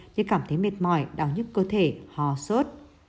như cảm thấy mệt mỏi đau nhức cơ thể hò sốt